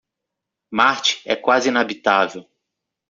Marte é quase inabitável.